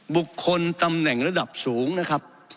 บุคคลตำแหน่งระดับสูงนะครับ